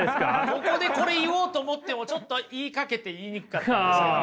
ここでこれ言おうと思ってもちょっと言いかけて言いにくかったんですけど。